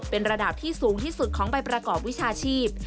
เป็นระดับที่สูงที่สุดของใบประกอบวิชาชีพ